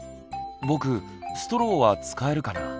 ぼくストローは使えるかな？